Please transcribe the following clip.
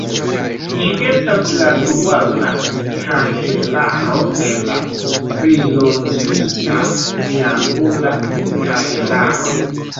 Ĝi estas la duala kahelaro de la plilongigita triangula kahelaro.